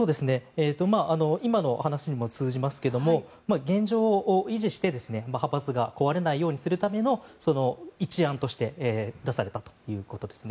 今の話にも通じますが現状を維持して派閥が壊れないようにするための一案として出されたということです。